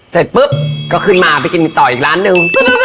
เสร็จปุ๊บก็ขึ้นมาไปกินต่ออีกร้านนึง